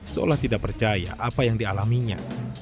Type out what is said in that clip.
seolah tidak percaya apa yang dialaminya